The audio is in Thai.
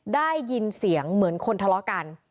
ได้ยินเสียงเหมือนคนทะเลาะกัน